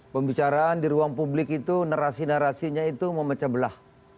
pembicaraan di ruang publik itu narasi narasinya itu memecah belah